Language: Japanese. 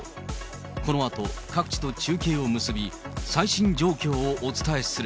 このあと、各地と中継を結び、最新状況をお伝えする。